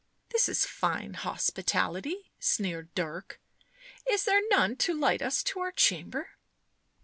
" This is fine hospitality," sneered Dirk. " Is there ~ none to light us to our chamber?"